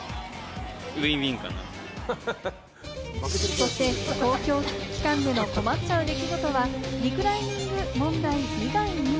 そして公共交通機関の困った出来事は、リクライニング問題以外にも。